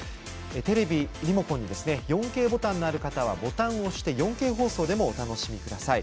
テレビリモコンに４Ｋボタンのある方はボタンを押して４Ｋ放送でもお楽しみください。